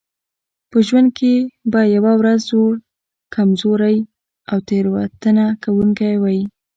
په ژوند کې به یوه ورځ زوړ کمزوری او تېروتنه کوونکی وئ.